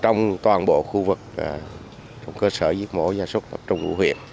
trong toàn bộ khu vực trong cơ sở giết mổ giả xúc trong vụ huyện